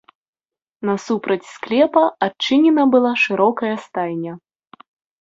Насупраць склепа адчынена была шырокая стайня.